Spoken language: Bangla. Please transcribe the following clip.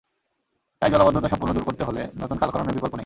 তাই জলাবদ্ধতা সম্পূর্ণ দূর করতে হলে নতুন খাল খননের বিকল্প নেই।